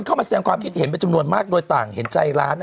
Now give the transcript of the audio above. เข้ามาแสดงความคิดเห็นเป็นจำนวนมากโดยต่างเห็นใจร้าน